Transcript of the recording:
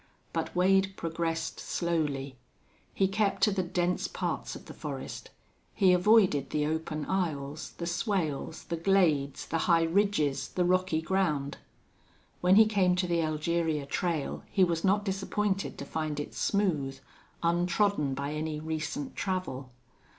But Wade progressed slowly; he kept to the dense parts of the forest; he avoided the open aisles, the swales, the glades, the high ridges, the rocky ground. When he came to the Elgeria trail he was not disappointed to find it smooth, untrodden by any recent travel.